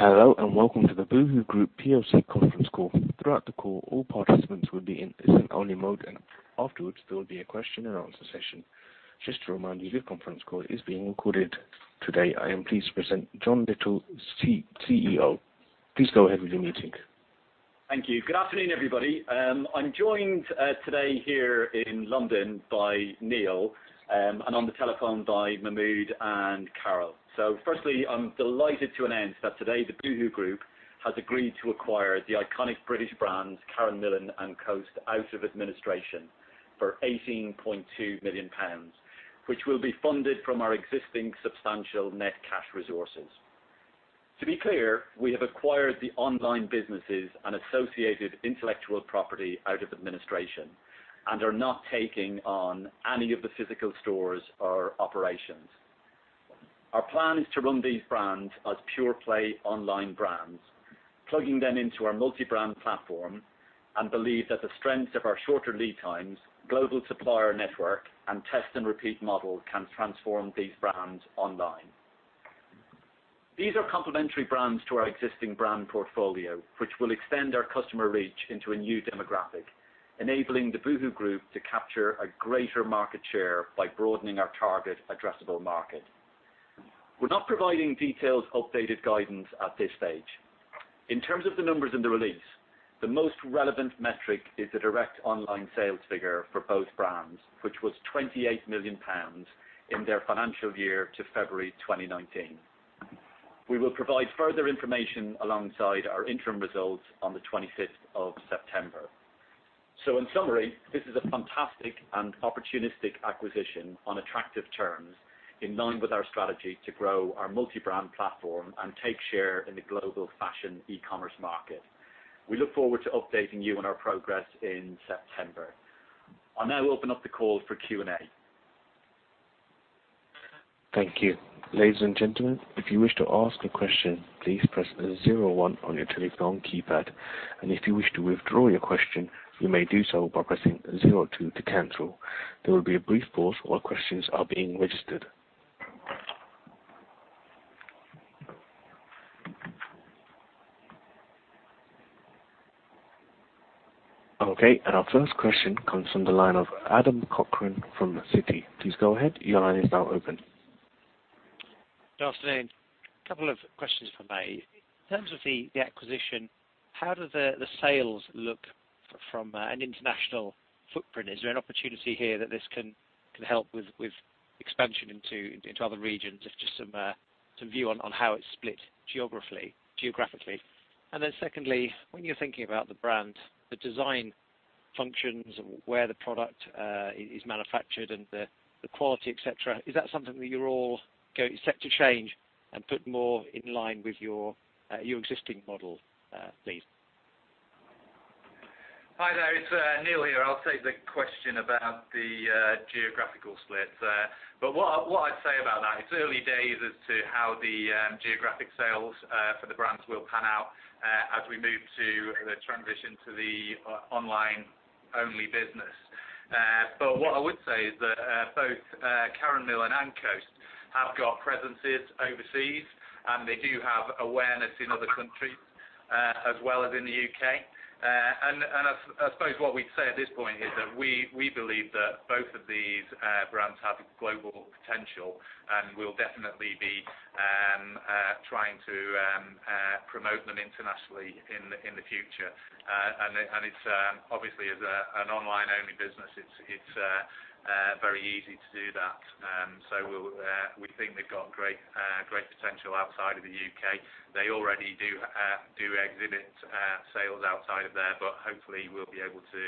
Hello, and welcome to the Boohoo Group PLC conference call. Throughout the call, all participants will be in listen-only mode, and afterwards, there will be a question and answer session. Just to remind you, this conference call is being recorded today. I am pleased to present John Lyttle, CEO. Please go ahead with the meeting. Thank you. Good afternoon, everybody. I'm joined today here in London by Neil, and on the telephone by Mahmud and Carol. Firstly, I'm delighted to announce that today, the Boohoo Group has agreed to acquire the iconic British brands, Karen Millen and Coast, out of administration for 18.2 million pounds, which will be funded from our existing substantial net cash resources. To be clear, we have acquired the online businesses and associated intellectual property out of administration and are not taking on any of the physical stores or operations. Our plan is to run these brands as pure-play online brands, plugging them into our multi-brand platform, and believe that the strengths of our shorter lead times, global supplier network, and test-and-repeat model can transform these brands online. These are complementary brands to our existing brand portfolio, which will extend our customer reach into a new demographic, enabling the Boohoo Group to capture a greater market share by broadening our target addressable market. We're not providing detailed, updated guidance at this stage. In terms of the numbers in the release, the most relevant metric is the direct online sales figure for both brands, which was 28 million pounds in their financial year to February 2019. We will provide further information alongside our interim results on the 25th of September. So in summary, this is a fantastic and opportunistic acquisition on attractive terms, in line with our strategy to grow our multi-brand platform and take share in the global fashion e-commerce market. We look forward to updating you on our progress in September. I'll now open up the call for Q&A. Thank you. Ladies and gentlemen, if you wish to ask a question, please press zero one on your telephone keypad, and if you wish to withdraw your question, you may do so by pressing zero two to cancel. There will be a brief pause while questions are being registered. Okay, and our first question comes from the line of Adam Cochrane from Citi. Please go ahead. Your line is now open. Good afternoon. Couple of questions, if I may. In terms of the acquisition, how do the sales look from an international footprint? Is there an opportunity here that this can help with expansion into other regions? Just some view on how it's split geographically. And then secondly, when you're thinking about the brand, the design functions, where the product is manufactured and the quality, et cetera, is that something that you're all set to change and put more in line with your existing model, please? Hi there, it's Neil here. I'll take the question about the geographical split. But what I'd say about that, it's early days as to how the geographic sales for the brands will pan out as we move to the transition to the online-only business. But what I would say is that both Karen Millen and Coast have got presences overseas, and they do have awareness in other countries as well as in the U.K. And I suppose what we'd say at this point is that we believe that both of these brands have global potential and will definitely be trying to promote them internationally in the future. And it's obviously as an online-only business, it's very easy to do that. So we think they've got great potential outside of the U.K. They already do exhibit sales outside of there, but hopefully we'll be able to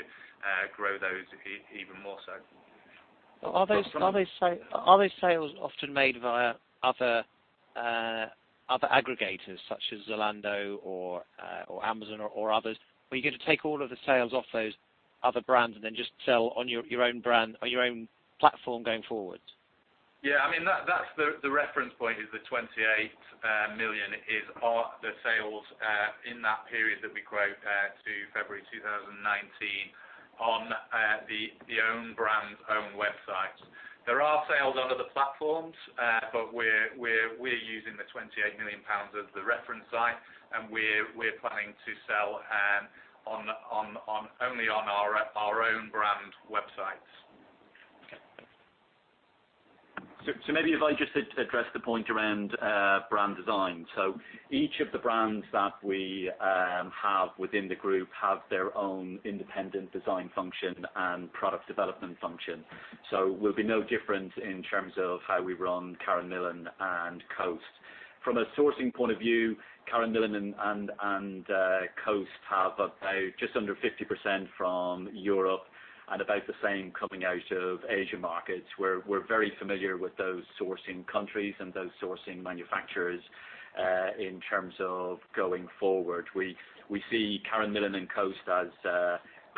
grow those even more so. Are those- Go on. Are those sales often made via other, other aggregators, such as Zalando or, or Amazon or, or others? Or are you going to take all of the sales off those other brands and then just sell on your, your own brand, on your own platform going forward? Yeah, I mean, that's the reference point is the 28 million are the sales in that period that we quote to February 2019, on the own brand's own website. There are sales under the platforms, but we're using the 28 million pounds as the reference site, and we're planning to sell only on our own brand websites. Okay, thanks. So, so maybe if I just address the point around brand design. So each of the brands that we have within the group have their own independent design function and product development function. So will be no different in terms of how we run Karen Millen and Coast. From a sourcing point of view, Karen Millen and Coast have about just under 50% from Europe and about the same coming out of Asia markets, where we're very familiar with those sourcing countries and those sourcing manufacturers in terms of going forward. We see Karen Millen and Coast as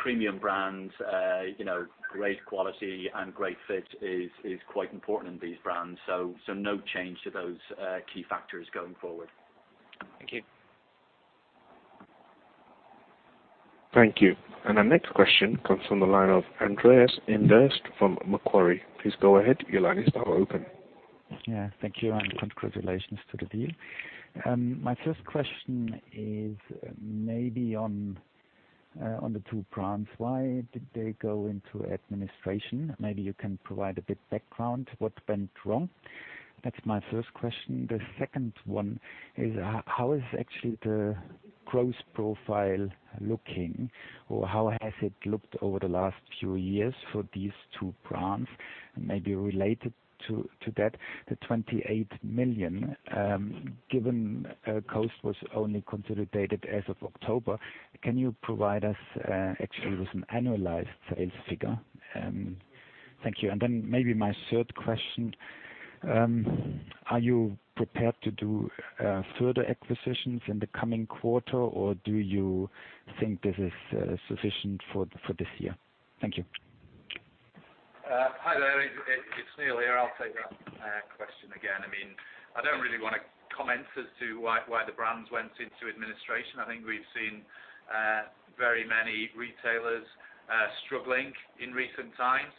premium brands. You know, great quality and great fit is quite important in these brands, so no change to those key factors going forward. Thank you.... Thank you. And our next question comes from the line of Andreas Inderst from Macquarie. Please go ahead, your line is now open. Yeah, thank you, and congratulations to the deal. My first question is, maybe on the two brands, why did they go into administration? Maybe you can provide a bit background, what went wrong? That's my first question. The second one is, how is actually the growth profile looking? Or how has it looked over the last few years for these two brands, maybe related to that, the 28 million, given Coast was only consolidated as of October, can you provide us actually with an annualized sales figure? Thank you. And then maybe my third question, are you prepared to do further acquisitions in the coming quarter, or do you think this is sufficient for this year? Thank you. Hi there, it's Neil here. I'll take that question again. I mean, I don't really want to comment as to why the brands went into administration. I think we've seen very many retailers struggling in recent times.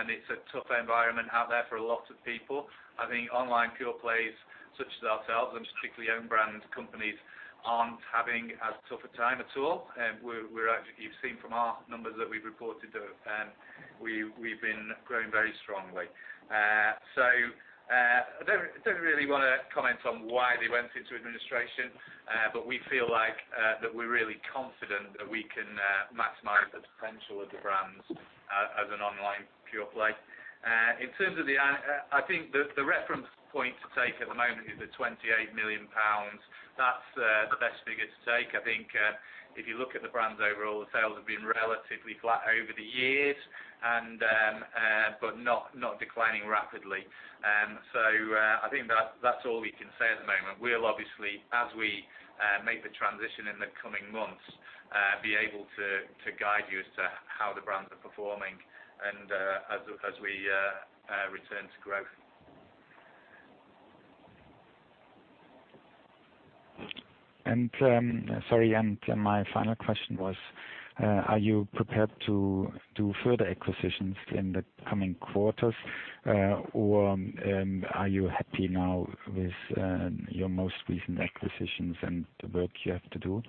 And it's a tough environment out there for a lot of people. I think online pure plays, such as ourselves, and strictly own-brand companies, aren't having as tough a time at all. We're actually you've seen from our numbers that we've reported that we've been growing very strongly. So I don't really want to comment on why they went into administration, but we feel like that we're really confident that we can maximize the potential of the brands as an online pure play. In terms of the, I think the reference point to take at the moment is the 28 million pounds. That's the best figure to take. I think, if you look at the brands overall, the sales have been relatively flat over the years and, but not declining rapidly. So, I think that's all we can say at the moment. We'll obviously, as we make the transition in the coming months, be able to guide you as to how the brands are performing and, as we return to growth. Sorry, my final question was, are you prepared to do further acquisitions in the coming quarters, or are you happy now with your most recent acquisitions and the work you have to do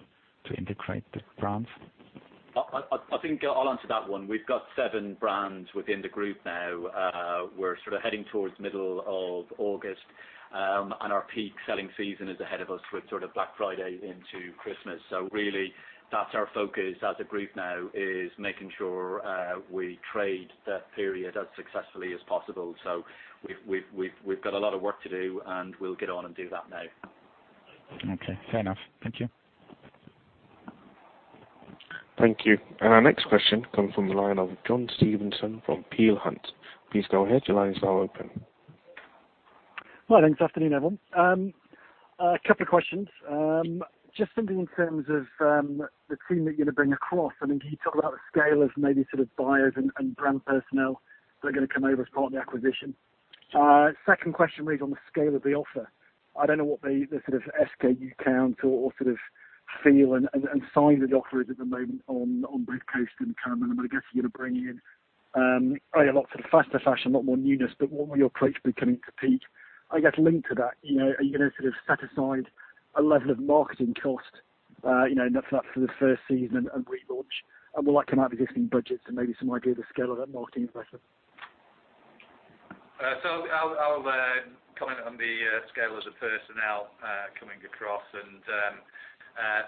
to integrate the brands? I think I'll answer that one. We've got seven brands within the group now. We're sort of heading towards middle of August, and our peak selling season is ahead of us with sort of Black Friday into Christmas. So really, that's our focus as a group now, is making sure we trade that period as successfully as possible. So we've got a lot of work to do, and we'll get on and do that now. Okay, fair enough. Thank you. Thank you. Our next question comes from the line of John Stevenson from Peel Hunt. Please go ahead, your line is now open. Well, thanks, afternoon, everyone. A couple of questions. Just thinking in terms of the team that you're going to bring across, I mean, can you talk about the scale of maybe sort of buyers and brand personnel that are going to come over as part of the acquisition? Second question really on the scale of the offer. I don't know what the sort of SKU count or sort of feel and size of the offer is at the moment on both Coast and Karen Millen, I guess you're going to bring in a lot sort of faster fashion, a lot more newness, but what will your approach be coming to peak? I guess linked to that, you know, are you going to sort of set aside a level of marketing cost, you know, not for the first season and relaunch, and will that come out of existing budgets and maybe some idea of the scale of that marketing investment? So I'll comment on the scale as a personnel coming across. And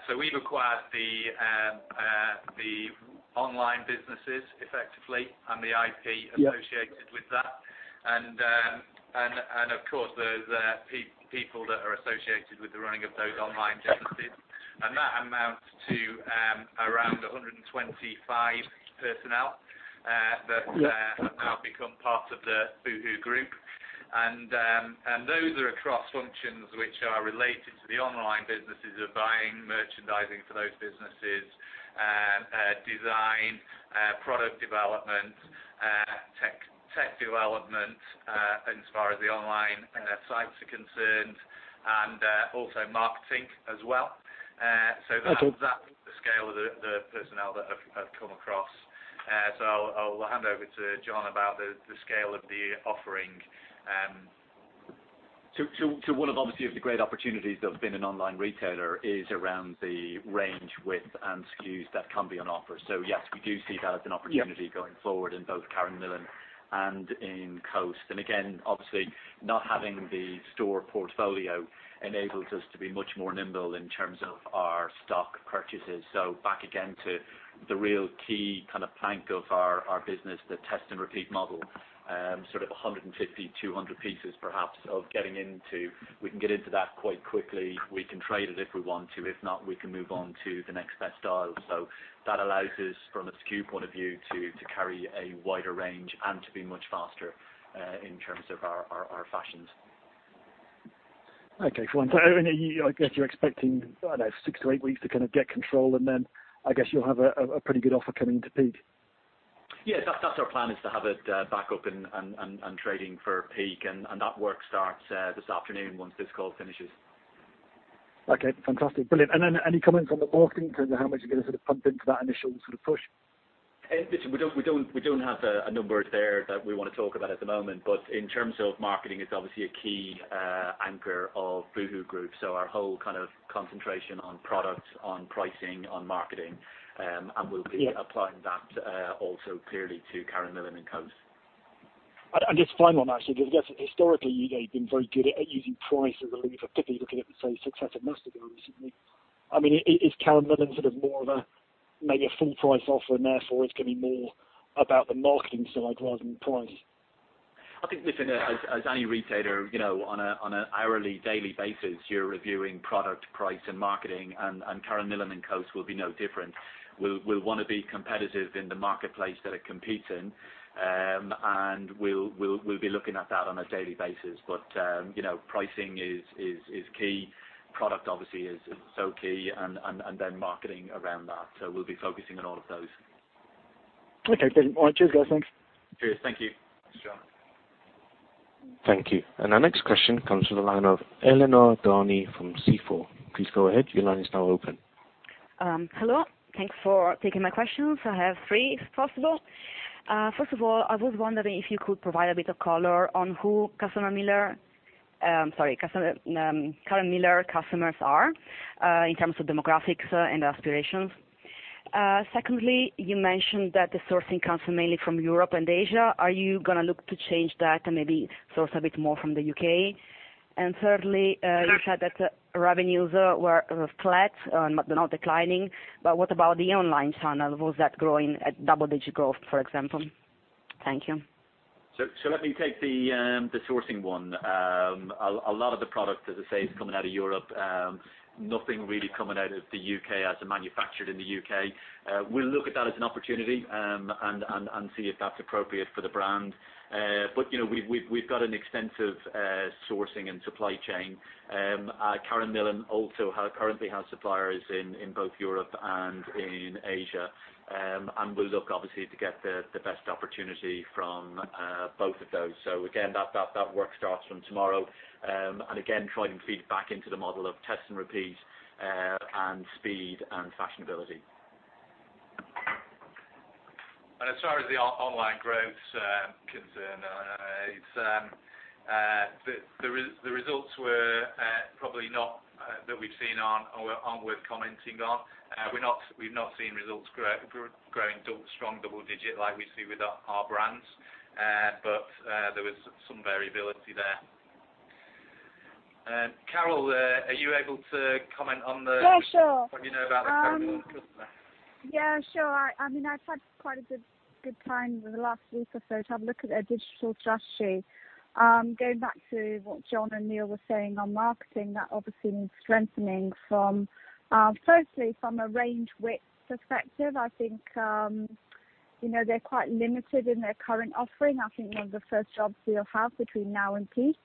so we've acquired the online businesses effectively and the IP- Yeah... associated with that. And, of course, the people that are associated with the running of those online businesses. Yeah. That amounts to around 125 personnel. Yeah… that have now become part of the Boohoo Group. And those are across functions which are related to the online businesses of buying, merchandising for those businesses, design, product development, tech, tech development, as far as the online sites are concerned, and also marketing as well. So- Okay... that's the scale of the personnel that have come across. So I'll hand over to John about the scale of the offering. To one of, obviously, the great opportunities of being an online retailer is around the range, width, and SKUs that can be on offer. So yes, we do see that as an opportunity- Yeah... going forward in both Karen Millen and in Coast. Again, obviously, not having the store portfolio enables us to be much more nimble in terms of our stock purchases. So back again to the real key kind of plank of our business, the test and repeat model, sort of 150-200 pieces perhaps of getting into. We can get into that quite quickly. We can trade it if we want to. If not, we can move on to the next best style. So that allows us, from a SKU point of view, to carry a wider range and to be much faster in terms of our fashions. Okay, fine. So I mean, I guess you're expecting, I don't know, six-eight weeks to kind of get control, and then I guess you'll have a pretty good offer coming to peak?... Yeah, that's our plan, is to have it back up and trading for peak. And that work starts this afternoon once this call finishes. Okay, fantastic. Brilliant! And then any comments on the marketing and how much you're gonna sort of pump into that initial sort of push? Listen, we don't have the numbers there that we wanna talk about at the moment. But in terms of marketing, it's obviously a key anchor of Boohoo Group, so our whole kind of concentration on product, on pricing, on marketing, and we'll be- Yeah. -applying that, also clearly to Karen Millen and Coast. And just one final one, actually, because historically, you guys have been very good at using price as a lever, particularly looking at the, say, success of Nasty Gal recently. I mean, is Karen Millen sort of more of a, maybe a full price offer, and therefore it's gonna be more about the marketing side rather than price? I think, listen, as any retailer, you know, on a hourly, daily basis, you're reviewing product, price, and marketing, and Karen Millen and Coast will be no different. We'll wanna be competitive in the marketplace that it competes in. And we'll be looking at that on a daily basis. But, you know, pricing is key. Product obviously is also key and then marketing around that. So we'll be focusing on all of those. Okay, brilliant. All right, cheers guys. Thanks. Cheers. Thank you. Thanks, John. Thank you. Our next question comes from the line of Eleonora Dani from Stifel. Please go ahead. Your line is now open. Hello. Thanks for taking my questions. I have three, if possible. First of all, I was wondering if you could provide a bit of color on who Karen Millen customers are, in terms of demographics, and aspirations. Secondly, you mentioned that the sourcing comes mainly from Europe and Asia. Are you gonna look to change that and maybe source a bit more from the U.K.? And thirdly, Yes... you said that the revenues were flat, but not declining, but what about the online channel? Was that growing at double-digit growth, for example? Thank you. So, let me take the sourcing one. A lot of the product, as I say, is coming out of Europe. Nothing really coming out of the U.K. as manufactured in the U.K. We'll look at that as an opportunity, and see if that's appropriate for the brand. But, you know, we've got an extensive sourcing and supply chain. Karen Millen also have, currently has suppliers in both Europe and in Asia. And we'll look obviously to get the best opportunity from both of those. So again, that work starts from tomorrow. And again, trying to feed back into the model of test-and-repeat, and speed and fashionability. As far as the online growth concerned, it's the results that we've seen aren't worth commenting on. We've not seen results growing strong double digit like we see with our brands. But there was some variability there. Carol, are you able to comment on the- Yeah, sure. What you know about the customer? Yeah, sure. I mean, I've had quite a good, good time over the last week or so to have a look at their digital strategy. Going back to what John and Neil were saying on marketing, that obviously needs strengthening from, firstly, from a range width perspective, I think, you know, they're quite limited in their current offering. I think one of the first jobs we'll have between now and peak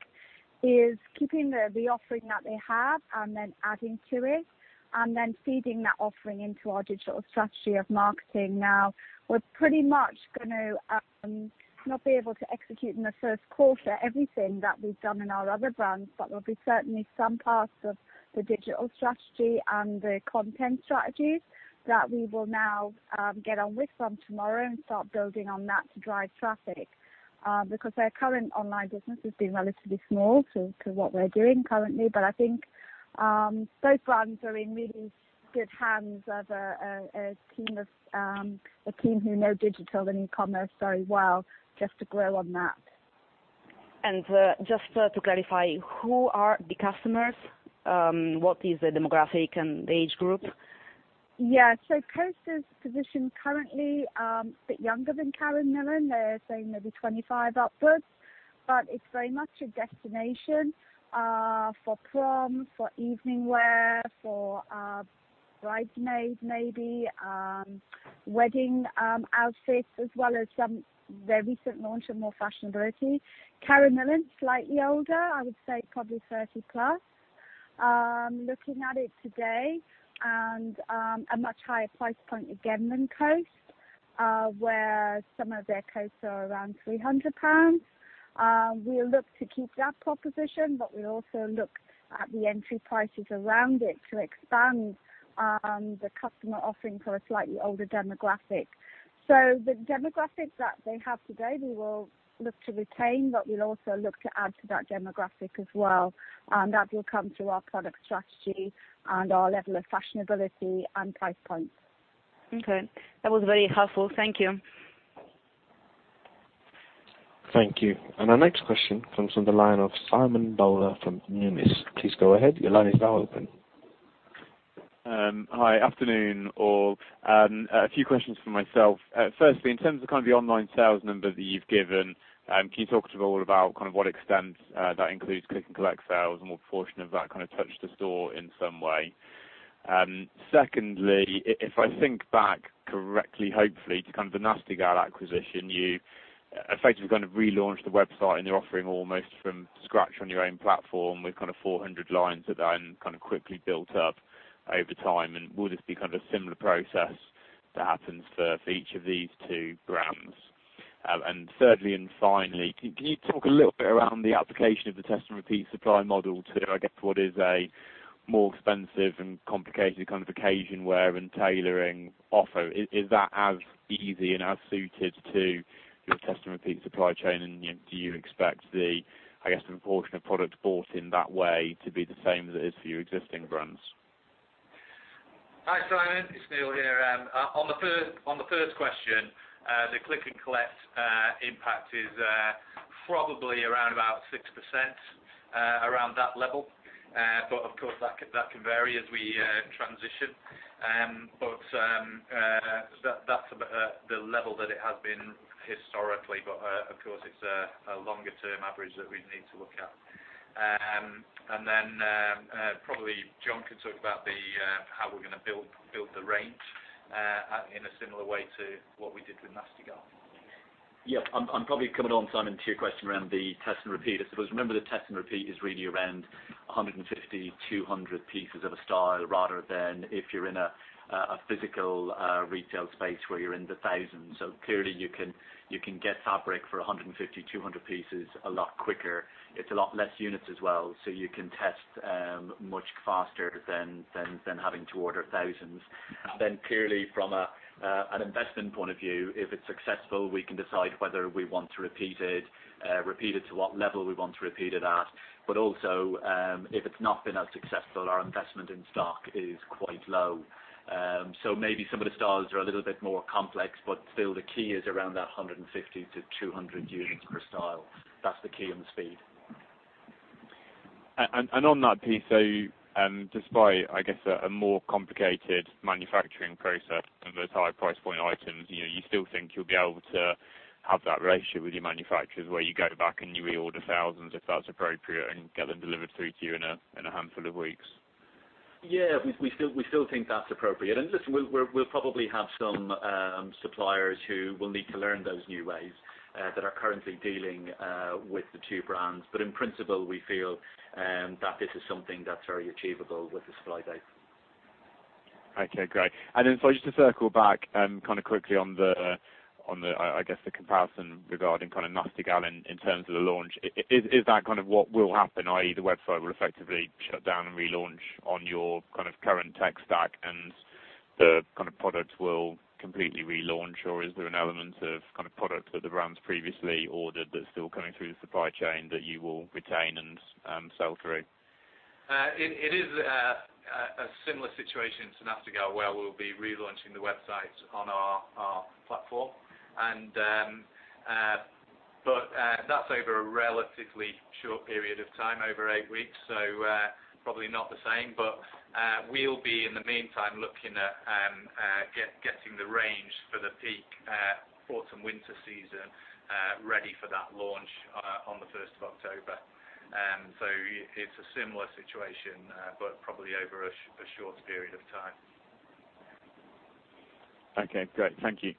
is keeping the offering that they have and then adding to it, and then feeding that offering into our digital strategy of marketing. Now, we're pretty much gonna not be able to execute in the first quarter everything that we've done in our other brands, but there'll be certainly some parts of the digital strategy and the content strategies that we will now get on with from tomorrow and start building on that to drive traffic. Because their current online business has been relatively small to what we're doing currently. But I think both brands are in really good hands of a team who know digital and e-commerce very well, just to grow on that. Just, to clarify, who are the customers? What is the demographic and the age group? Yeah. So Coast is positioned currently, a bit younger than Karen Millen. They're saying maybe 25 upwards, but it's very much a destination, for prom, for evening wear, for, bridesmaid, maybe, wedding, outfits, as well as some... Their recent launch of more fashionability. Karen Millen, slightly older, I would say probably 30+. Looking at it today, and, a much higher price point again than Coast, where some of their coats are around 300 pounds. We'll look to keep that proposition, but we'll also look at the entry prices around it to expand, the customer offering for a slightly older demographic. The demographic that they have today, we will look to retain, but we'll also look to add to that demographic as well, and that will come through our product strategy and our level of fashionability and price points. Okay. That was very helpful. Thank you. Thank you. Our next question comes from the line of Simon Bowler from Numis. Please go ahead. Your line is now open. Hi. Afternoon, all. A few questions from myself. Firstly, in terms of kind of the online sales number that you've given, can you talk to me all about kind of what extent that includes click and collect sales and what portion of that kind of touched the store in some way? Secondly, if I think back correctly, hopefully, to kind of the Nasty Gal acquisition, you- ... effectively kind of relaunched the website and you're offering almost from scratch on your own platform, with kind of 400 lines that are in, kind of, quickly built up over time. And will this be kind of a similar process that happens for each of these two brands? And thirdly, and finally, can you talk a little bit around the application of the test-and-repeat supply model to, I guess, what is a more expensive and complicated kind of occasionwear in tailoring offer? Is that as easy and as suited to your test-and-repeat supply chain, and do you expect the, I guess, the proportion of product bought in that way to be the same as it is for your existing brands? Hi, Simon, it's Neil here. On the first question, the click and collect impact is probably around about 6%, around that level. But of course, that can, that can vary as we transition. But that's about the level that it has been historically, but of course, it's a longer-term average that we'd need to look at. And then probably John could talk about the how we're gonna build, build the range in a similar way to what we did with Nasty Gal. Yeah. I'm probably coming on, Simon, to your question around the test and repeat. I suppose, remember, the test and repeat is really around 150-200 pieces of a style, rather than if you're in a physical retail space where you're in the thousands. So clearly, you can get fabric for 150-200 pieces a lot quicker. It's a lot less units as well, so you can test much faster than having to order thousands. And then clearly, from an investment point of view, if it's successful, we can decide whether we want to repeat it, repeat it to what level we want to repeat it at. But also, if it's not been as successful, our investment in stock is quite low. Maybe some of the styles are a little bit more complex, but still, the key is around that 150-200 units per style. That's the key and the speed. And on that piece, despite, I guess, a more complicated manufacturing process and those high-price-point-items, you know, you still think you'll be able to have that relationship with your manufacturers, where you go back and you reorder thousands, if that's appropriate, and get them delivered through to you in a handful of weeks? Yeah, we still think that's appropriate. And listen, we'll probably have some suppliers who will need to learn those new ways that are currently dealing with the two brands. But in principle, we feel that this is something that's very achievable with the suppliers. Okay, great. And then so just to circle back, kind of quickly on the, I guess, the comparison regarding kind of Nasty Gal in terms of the launch. Is that kind of what will happen, i.e., the website will effectively shut down and relaunch on your, kind of, current tech stack, and the, kind of, products will completely relaunch? Or is there an element of, kind of, product that the brand previously ordered that's still coming through the supply chain that you will retain and sell through? It is a similar situation to Nasty Gal, where we'll be relaunching the website on our platform. But that's over a relatively short period of time, over eight weeks, so probably not the same. But we'll be, in the meantime, looking at getting the range for the peak Autumn/Winter season ready for that launch on the 1st of October. So it's a similar situation, but probably over a shorter period of time. Okay, great. Thank you.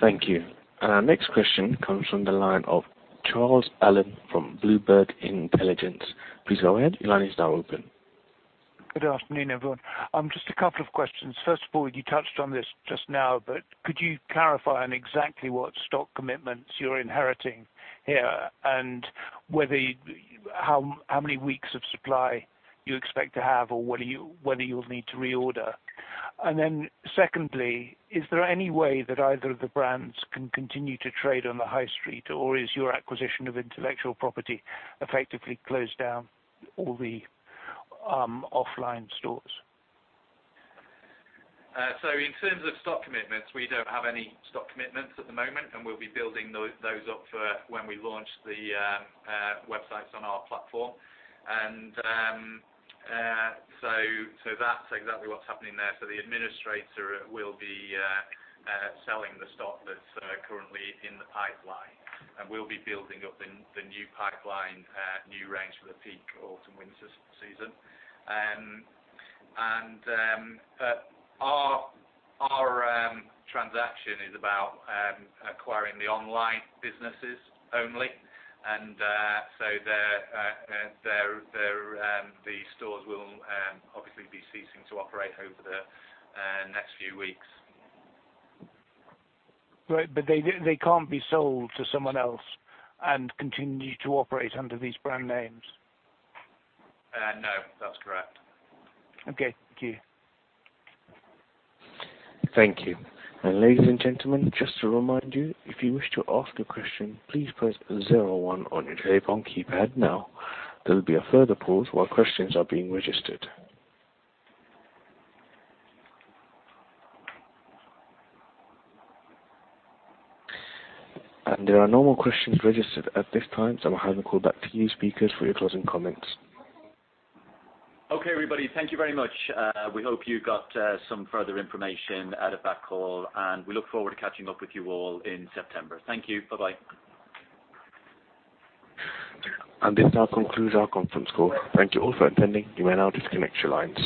Thank you. Our next question comes from the line of Charles Allen from Bloomberg Intelligence. Please go ahead. Your line is now open. Good afternoon, everyone. Just a couple of questions. First of all, you touched on this just now, but could you clarify on exactly what stock commitments you're inheriting here? And whether you... How many weeks of supply you expect to have, or whether you'll need to reorder? And then secondly, is there any way that either of the brands can continue to trade on the high street, or has your acquisition of intellectual property effectively closed down all the offline stores? So in terms of stock commitments, we don't have any stock commitments at the moment, and we'll be building those up for when we launch the websites on our platform. So that's exactly what's happening there. So the administrator will be selling the stock that's currently in the pipeline, and we'll be building up the new pipeline, new range for the peak Autumn/Winter season. And our transaction is about acquiring the online businesses only. So the stores will obviously be ceasing to operate over the next few weeks. Right. But they can't be sold to someone else and continue to operate under these brand names? No, that's correct. Okay, thank you. Thank you. And ladies and gentlemen, just to remind you, if you wish to ask a question, please press zero one on your telephone keypad now. There'll be a further pause while questions are being registered. And there are no more questions registered at this time, so I'm handing call back to you speakers for your closing comments. Okay, everybody, thank you very much. We hope you got some further information out of that call, and we look forward to catching up with you all in September. Thank you. Bye-bye. This now concludes our conference call. Thank you all for attending. You may now disconnect your lines.